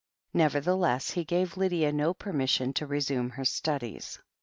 Nevertheless, he gave Lydia no permission to resume her studies.